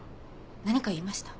何か言いました？